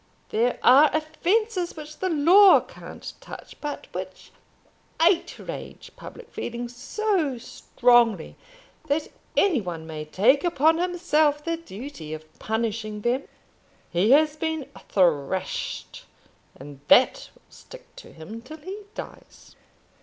There are offences which the law can't touch, but which outrage public feeling so strongly that any one may take upon himself the duty of punishing them. He has been thrashed, and that will stick to him till he dies."